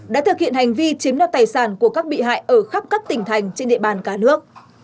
đã thực hiện hành vi chiếm đoạt tài sản của các bị hại ở khắp các tỉnh thành trên địa bàn cả nước